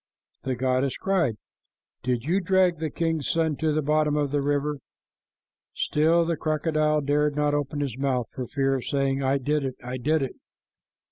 The goddess cried, "Did you drag the king's son to the bottom of the river?" Still the crocodile dared not open his mouth for fear of saying, "I did it, I did it."